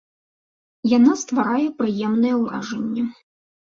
Яна стварае прыемнае ўражанне.